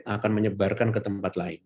akan menyebarkan ke tempat lain